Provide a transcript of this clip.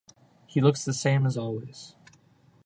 He looks the same as always.